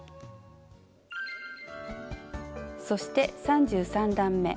そして３３段め。